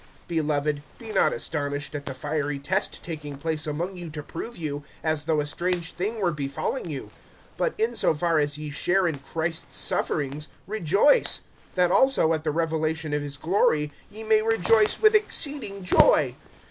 (12)Beloved, be not astonished at the fiery test taking place among you to prove you, as though a strange thing were befalling you; (13)but, in so far as ye share in Christ's sufferings, rejoice; that also, at the revelation of his glory, ye may rejoice with exceeding joy.